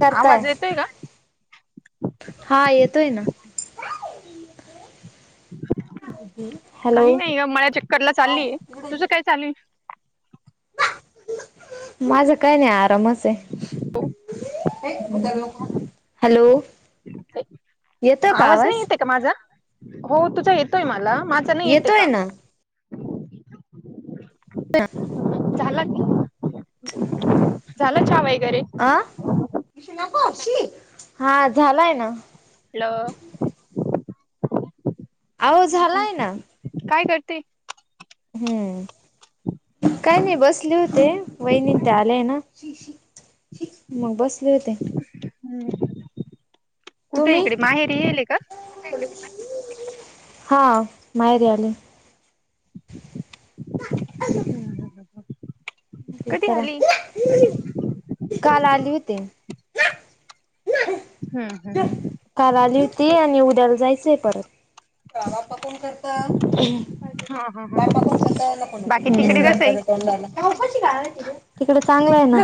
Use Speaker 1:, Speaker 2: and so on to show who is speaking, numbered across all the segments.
Speaker 1: करताय
Speaker 2: आवाज येतोय का?
Speaker 1: हा येतोय ना. हॅलो
Speaker 2: काही नाही ग मला चक्करला चाललीय तुझं काय चाली?
Speaker 1: माझं काय नाय आरामच आहे. हॅलो येतो का आवाज?
Speaker 2: क माझा हो तुझा येतोय मला मा
Speaker 1: येतोय ना. [unintelligible]
Speaker 2: झाला की झाला चहा वगैरे.
Speaker 1: आ हा झालाय ना.
Speaker 2: हॅलो
Speaker 1: अहो
Speaker 2: हम्म
Speaker 1: झालाय ना
Speaker 2: काय करते?
Speaker 1: हम्म काय नाही बसले होते वहिनीन ते आलेय ना. मग बसले होते.
Speaker 2: हम्म कुठे
Speaker 1: तुम्ही
Speaker 2: इकडे माहेरी येईले का?
Speaker 1: हा माहेरे आले.
Speaker 2: [inaudible] कधी
Speaker 1: लेकरा
Speaker 2: आली?
Speaker 1: काल आली होती.
Speaker 2: हम्म हम्म हम्म.
Speaker 1: का आली होती आणि उद्याला जायचंय परत. गावा पपुन करता. हम्म.
Speaker 2: हा. बाकी तिकडे कसंय?
Speaker 1: तिकडे चांगलं आहे ना.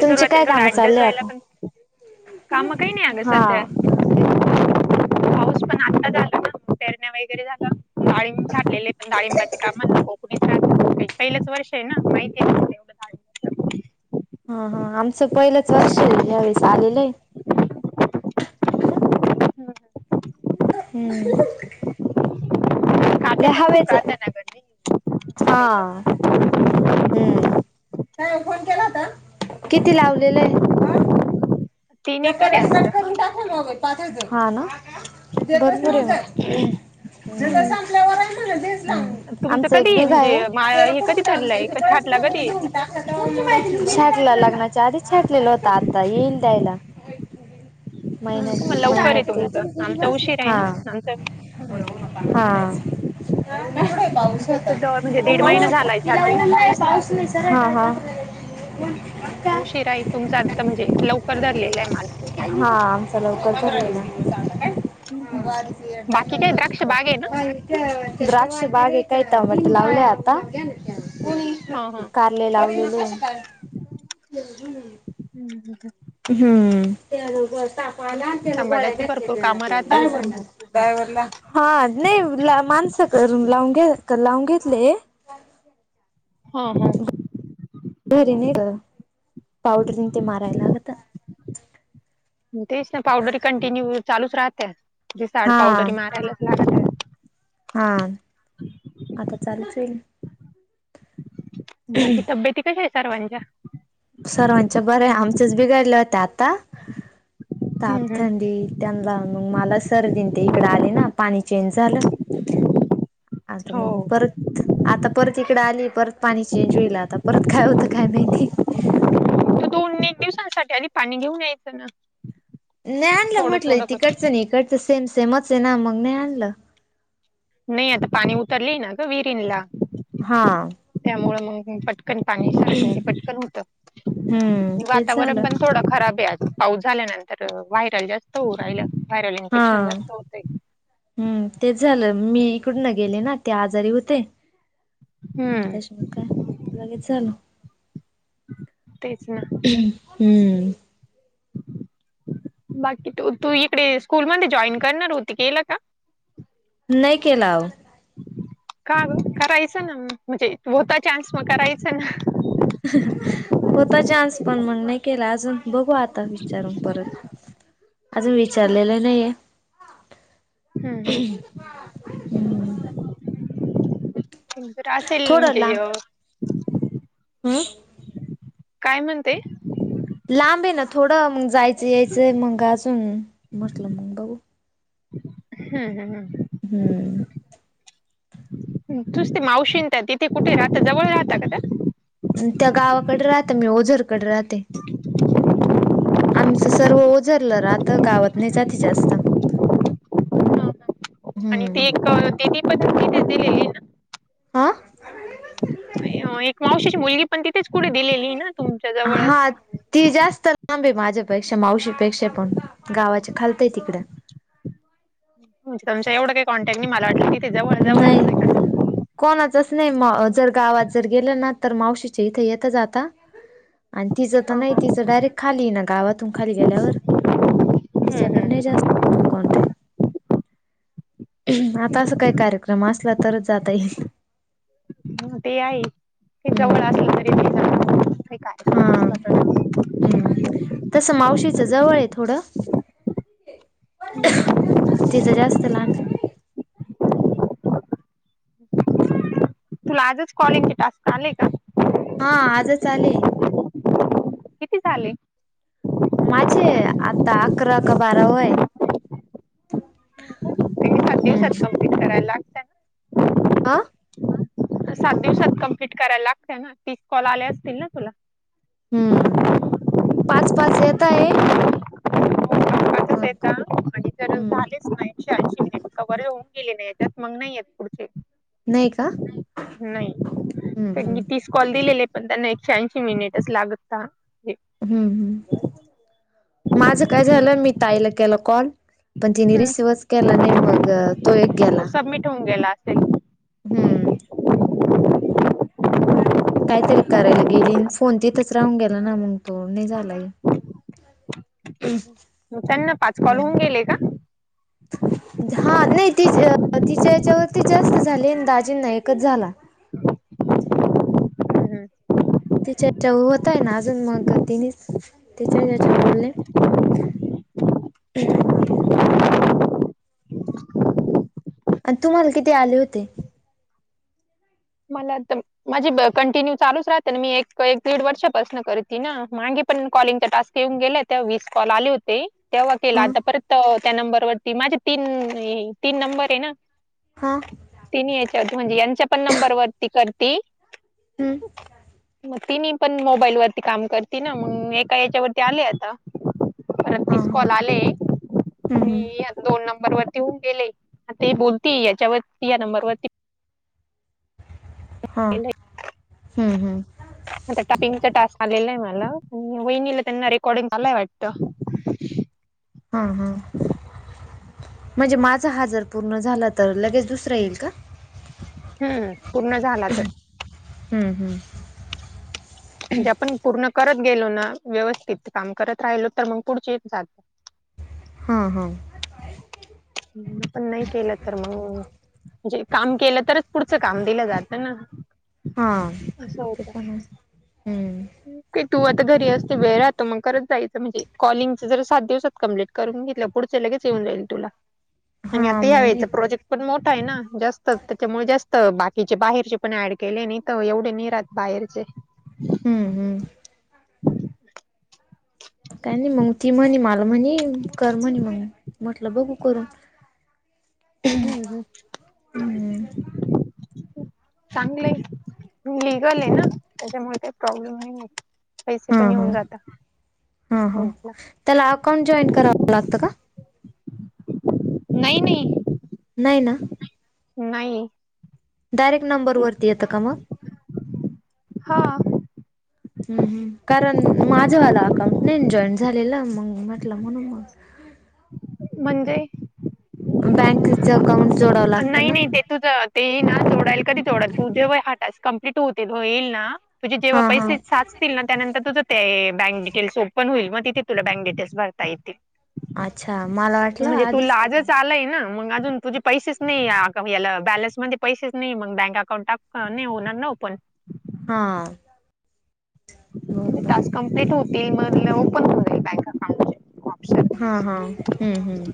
Speaker 1: तुमचे काय कामं चाललंय आता?
Speaker 2: कामं काय नाहीये अगं
Speaker 1: हा
Speaker 2: सद्या. पाऊस पण आताच आला ना पेरण्या वगैरे झाला. डाळिंब छाडलेले पण डाळिंबाचे कामं न कोकणी [unintelligible] पहिलंच वर्ष आहे ना माहिती आहे. [inaudible]
Speaker 1: हा हा आमचं पहिलंच वर्ष आहे यावेेळेस आलेलं.
Speaker 2: हम्म.
Speaker 1: हम्म.
Speaker 2: खाते
Speaker 1: नाही
Speaker 2: पण खूप
Speaker 1: हवेच
Speaker 2: राहतं ना गं
Speaker 1: हा.
Speaker 2: तेवढं
Speaker 1: हम्म काय फोन केलाता किती लावलेलंय.
Speaker 2: तीन
Speaker 1: हा
Speaker 2: एकर आहे आमचं.
Speaker 1: ना. भरपूर
Speaker 2: हम्म
Speaker 1: आहे म.
Speaker 2: हम्म.
Speaker 1: हम्म
Speaker 2: तुमचं
Speaker 1: आमचं एक
Speaker 2: कधी
Speaker 1: बिघ आहे.
Speaker 2: म्हणजे मा हे कधी ठरलंय छाटला कधी?
Speaker 1: छाटल्या लग्नाच्या आधी छाटलेला होता आता येईल द्यायला. मईन्यात
Speaker 2: मग लवकर आहे तुमचं
Speaker 1: महिन्यात
Speaker 2: आमचा उशीर आहे ना आमचा
Speaker 1: तेच हा. हां.
Speaker 2: म्हणजे दीड महिना झालाय
Speaker 1: [unintelligible]
Speaker 2: छाटून
Speaker 1: हा हा.
Speaker 2: शिराई तुमचा अर्थ म्हणजे लवकर धरलेला आहे माल.
Speaker 1: हा आमचा लवकरचा.
Speaker 2: बाकी काय द्राक्ष बाग आहे ना?
Speaker 1: [unintelligible] द्राक्ष बाग आहे हे काय टमाटो लावले आता.
Speaker 2: [unintelligible] हां..
Speaker 1: कारले लाव [unintelligible]
Speaker 2: हम्म हम्म.
Speaker 1: हम्म.
Speaker 2: टमाट्याची भरपूर कामं राहत्या
Speaker 1: ड्रायव्हरला हा, नाही माणसं कर लावून घ लावून घेतले.
Speaker 2: हा हा.
Speaker 1: घरी नाही गं, पावडर ते मारायला लागत.
Speaker 2: तेच ना पावडरी कंटिन्यू चालूच राहते, जड
Speaker 1: हा
Speaker 2: पावडरी मारायलाच लागते.
Speaker 1: हां, आता चाल चिल.
Speaker 2: बाकी तब्येेती कशा आहे सर्वांच्या.
Speaker 1: सर्वांच्या बरे आहे, आमचेच बिघाडले होते आता. ताप
Speaker 2: हम्म हम्म
Speaker 1: थंडी त्यांना मग, मला सरदीन ते इकडं आले ना, पाणी चेंज झालं.
Speaker 2: [unintelligible]
Speaker 1: आता मग
Speaker 2: हो
Speaker 1: परत, आता परत इकडं आली, परत पाणी चेंज होईल. आता परत काय होतं काय माहिती.
Speaker 2: [unintelligible] एक दिवसांसाठी आधी पाणी घेऊन यायचं ना.
Speaker 1: नाही आणलं
Speaker 2: थोडं
Speaker 1: म्हटलं
Speaker 2: थोडं करून
Speaker 1: तिकडचं नी, इकडचं सेम सेमच आहे ना मग नाही आणलं.
Speaker 2: नाही आता पाणी उतरली ना गं विहिरींना ला.
Speaker 1: हां.
Speaker 2: त्यामुळें मग पट पण पाणी सारे पटकण होतं,
Speaker 1: हम्म
Speaker 2: आणि
Speaker 1: तेच
Speaker 2: वातावरण
Speaker 1: झालं
Speaker 2: पण थोडं खराब आहे आज. पाऊस झाल्यानंतर व्हायरल जास्त होऊन राहिल, व्हायरल
Speaker 1: हा
Speaker 2: इन्फेक्शन जास्त होतंय.
Speaker 1: हम्म, तेच झालं मी इकडन गेले, ना ते आजारी होते‌
Speaker 2: हम्म
Speaker 1: त्यांच्या मग काय, लगेच झालं.
Speaker 2: तेच ना,
Speaker 1: हम्म.
Speaker 2: बाकी तू तू इकडे स्कूल मध्ये, जॉईन करणार होती केल का?
Speaker 1: नाही केलाव.
Speaker 2: का गं करायचं ना म्हणजे होता, चान्स मग करायचा ना‌.
Speaker 1: होता चान्स पण मंग नाही केला, अजून बघू आता विचारून परत. अजून विचारलेल नाहीये
Speaker 2: हम्म
Speaker 1: हम्.
Speaker 2: जर असेल म्हणजे हे.
Speaker 1: हं.
Speaker 2: काय म्हणते,
Speaker 1: लांब आहे ना थोडं मग जायचं यायचंय मग अजून, म्हटलं मग बगू.
Speaker 2: हम् हम हम.
Speaker 1: हम्म‌.
Speaker 2: तुस ते मावशींत तिथे कुठे राहता, जवळ राहता का त्या.
Speaker 1: त्या गावाकड राहते मी, ओझरकडे राहते. आमचं सर्व ओझरलं राहतं, गावात नाही जाती जास्त.
Speaker 2: त्या आणि ते
Speaker 1: हम्म
Speaker 2: एक तनी पत माहितीच दिलेली ना,
Speaker 1: हा
Speaker 2: एक मावशीची मुलगी पण, तिथेच कुठे दिलेली ना तुमच्या जवळच.
Speaker 1: हा ती जास्त लांब माझ्यापेक्षा, मावशीपेक्षा पण गावाच्या खालतीय तिकडं.
Speaker 2: तुमच्या एवढे कॉन्टॅक्ट मला वाटले की,
Speaker 1: नाही कोणाचच नाही, म जर गावात जर गेलं ना. तर मावशीच्या इथे येत जाता, आणि तिचं तर
Speaker 2: हो
Speaker 1: नाही
Speaker 2: हो
Speaker 1: तिच डायरेक्ट. खाली ना, गावातून खाली गेल्यावर. तिच्याकडे
Speaker 2: हम्म
Speaker 1: जास्त कॉन्टॅक्ट, आता असं. क्रम असला तरचं जाता येईल.
Speaker 2: ह ते आहे ते‌, जवळ असलं तरी काय.
Speaker 1: हां. हम्म तसं मावशीचा जवळ आहे थोडं.
Speaker 2: तर
Speaker 1: तिथं जास्त लांबाय.
Speaker 2: तुला आजच कॉलिंगचे टास्क आलेय का?
Speaker 1: हा आजच आलेय.
Speaker 2: किती झाले?
Speaker 1: माझे आता अकरा का बारावा वय. हम्म.
Speaker 2: किती करायला?
Speaker 1: आ
Speaker 2: सात दिवसात कंप्लीट करायला लागते ना तीस कॉल आले असतील ना तुला?
Speaker 1: हम्म पाच पाच येताय.
Speaker 2: [inaudible]
Speaker 1: मग
Speaker 2: येता आणि जर
Speaker 1: हम्म.
Speaker 2: झालेच नाही एकशे ऐंशी मिनिट कवर येऊन गेले नाही हेच्यात मग नाहीय पुढचे.
Speaker 1: नाही का?
Speaker 2: नाही
Speaker 1: हम्म हम्म
Speaker 2: त्यांनी तीस कॉल दिलेले पण त्यांना एकश्याऐंशी मिनिटच लागत का?
Speaker 1: हम्म हम्म माझं काय झालं मी ताईला केलं कॉल पण तिने रिसिवच केला नाही मग तो एक गेला.
Speaker 2: सबमिट होऊने गेला असेल.
Speaker 1: हम्म. काहीतरी करायला गेली अन फोन तिथचं राहून गेला ना मग तो नाही झाला.
Speaker 2: त्यांना पाच कॉल होऊन
Speaker 1: हम्म.
Speaker 2: गेले का? [inaudible]
Speaker 1: हा नाही ति तिच्या हेच्यावरती जास्त झाली अन दाजिंना एकच झाला.
Speaker 2: हम्म हम्म.
Speaker 1: तिच्या चव होता ना अजून मग तिनेच तिच्या याच्या बोलले. [unintelligible] आणि तुम्हाला किती आले होते?
Speaker 2: मला तम माझी ब कंटिन्यू चालच राहते ना मी एक एक दीड वर्षापासूनं करती ना मागे पण कॉलिंगचा टास्क ते येऊन गेले तेव्हा वीस कॉल आले होते. तेव्हा केला
Speaker 1: हां
Speaker 2: आता परत त्यो त्या नंबरवरती माझे तीन हे तीन नंबर आहे ना.
Speaker 1: हां
Speaker 2: तिनी याच्यावरती म्हणजे यांच्या पण नंबरवरती करती.
Speaker 1: हम्म.
Speaker 2: [inaudible] मग तिनी पण मोबाईल वरती काम करती ना मग एका याच्यावरती आले आता. परत
Speaker 1: हां
Speaker 2: तीस
Speaker 1: हां
Speaker 2: कॉल आले
Speaker 1: हम्म हम्म
Speaker 2: आणि य दोन नंबर वरती होऊन गेले ते बोलती याच्यावरती या नंबरवरती
Speaker 1: हा
Speaker 2: केलंय.
Speaker 1: हम्म हम्म.
Speaker 2: आता टापिंगचा टास्क आलेला आहे मला वहिणीला त्यांना रेकॉर्डिंग आलाय वाटतं.
Speaker 1: हा हा म्हणजे माझा हा जर पूर्ण झाला तर लगेच दुसरा येईल का?
Speaker 2: हम्म पूर्ण झाला तर.
Speaker 1: हम्म हम्म.
Speaker 2: म्हणजे आपण पूर्ण करत गेलो ना व्यवस्थित काम करत राहिलो तर मग पुढची जात
Speaker 1: हा हां.
Speaker 2: मीनं पण नाही केलं तर मग. जे काम केलं तरच पुढचं काम दिलं जातं ना.
Speaker 1: हा
Speaker 2: असं
Speaker 1: ते
Speaker 2: होतं
Speaker 1: पण आहे हम्म.
Speaker 2: की तू आता घरी असते वेळ राहतो मग करत जायचं म्हणजे कॉलिंगचा जर सात दिवसात कंप्लीट करून घेतलं पुढचे लगेच येऊन जाईल तुला आणि
Speaker 1: हां
Speaker 2: आता
Speaker 1: मग नाही
Speaker 2: यायवेळीचा प्रोजेक्ट पण मोठा आहे ना जास्त त्याच्यामुळे जास्त बाकीचे बाहेरचे पण ऍड केले नाही तर एवढे नि राहत. बाहेरचे
Speaker 1: हम्म हम्म काय नाही मग ती म्हणे माल म्हणी कर म्हणे मग म्हटलं बघू करून.
Speaker 2: हम्म हम्म.
Speaker 1: हम्म
Speaker 2: चांगल आहे लिगल आहे ना त्याच्यामुळे काही प्रॉब्लेम नाही होत. पैसे पण
Speaker 1: हां
Speaker 2: येऊन
Speaker 1: हां
Speaker 2: जातात,
Speaker 1: हां
Speaker 2: हो
Speaker 1: हां
Speaker 2: का?
Speaker 1: त्याला अकाउंट जॉईन करावं लागतं का?
Speaker 2: नाही नाही
Speaker 1: नाही ना
Speaker 2: नाही.
Speaker 1: डायरेक्ट नंबर वरती येतं का मग
Speaker 2: हा [inaudible]
Speaker 1: हम्म हम्म, कारण माझंवाला अकाउंट नाही जॉईन झालेला मग म्हटलं म्हणून मग
Speaker 2: म्हणजे?
Speaker 1: बँकच अकाउंट जोडावं लागतं
Speaker 2: नाही
Speaker 1: ना?
Speaker 2: नाही ते तुझं ते ना जोडाल कधी जोडाल तुझेव हा तास कप्लीट होतील होईल ना. तुझे जव्हा
Speaker 1: हां हां
Speaker 2: पैसे साच तील ना त्यानंतर तुझं ते बँक डिटेल्स ओपन होई मग तिथे तुला बँक डिटेल्स भरता येतील.
Speaker 1: अच्छा मला वाट
Speaker 2: म्हणजे तूला आजच आलय ना मग अजून तुझे पैसेच नाही याला बॅलन्स मध्ये पैसेच नाही मग बँक अकाउंट नाही होणार ना ओपन.
Speaker 1: हा बरोबर.
Speaker 2: कमप्लीट होतील मग ओपन होईल बँक अकाउंट
Speaker 1: हा हा, हम्म हम्म.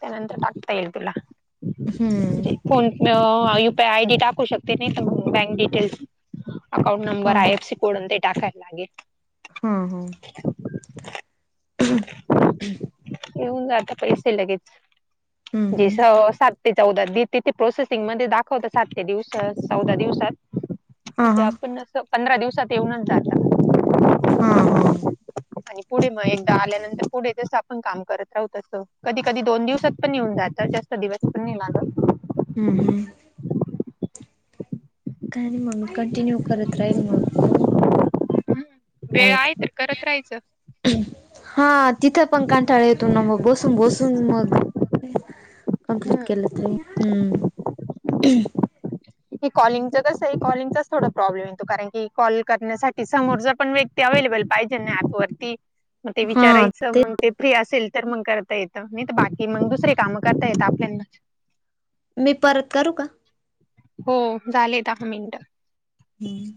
Speaker 2: त्यानंतर टाकता येईल तुला.
Speaker 1: हम्म
Speaker 2: म्हणजे फोन पे अ वा युपीआय आय डी टाकू शकते नाही तर मग बँक डिटेल्स अकाउंट नंबर
Speaker 1: हां
Speaker 2: आय
Speaker 1: हां
Speaker 2: एफसी कोडून अन ते टाकाय लागेल.
Speaker 1: हा हा
Speaker 2: येऊन जातात पैसे लगेच
Speaker 1: हम्म
Speaker 2: जी
Speaker 1: हम्म
Speaker 2: सव सात. ते चौदा दि तिथे प्रोसेसिंग मध्ये दाखवत साते दिवस चौदा दिवसात.
Speaker 1: हां
Speaker 2: म्हजे
Speaker 1: हां
Speaker 2: आपण पंधरा दिवसात येऊन
Speaker 1: हा हा
Speaker 2: आणि पुढे मग एकदा आल्यानंतर पुढे तस आपण काम करत राहत अस कधी कधी दोन दिवसात पण येऊन जातात, जास्त दिवस पण नई लागत.
Speaker 1: हम्म हम्म. का मग मी कंटिन्यू करत राहील मग बघू काय
Speaker 2: वेळ
Speaker 1: होतं
Speaker 2: आहे तर करत राहायचं.
Speaker 1: हा तिथं पण कांठाळा येतो ना मग बसून बसून मग. कंप्लीट केलं तरी हम्म
Speaker 2: हे कॉलिंगच कस कॉलिंगचाच थोडा प्रॉब्लेम येतो कारण की कॉल करण्यासाठी समोरचा पण व्यक ते अवेलेबल पाहिजे ना आक वरती मग ते विचारायचं मग ते फ्री असेल तर मग करता येतं, नाही तर बाकी मग दुसरीे कामं करता येत आपल्याना.
Speaker 1: मी परत करू का?
Speaker 2: हो झाले दहा मिनिटं.
Speaker 1: हम्म